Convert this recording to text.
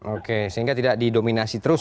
oke sehingga tidak didominasi terus